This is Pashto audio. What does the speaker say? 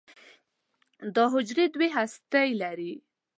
دا حجرې دوه هستې لري.